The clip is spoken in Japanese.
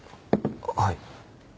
はい。